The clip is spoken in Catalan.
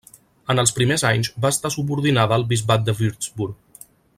En els primers anys va estar subordinada al bisbat de Würzburg.